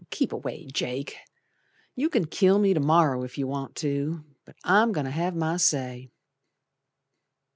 Keep away, Jake, You can kill me to morrer if you want to, But I'm goin' to have my say.